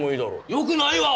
よくないわ！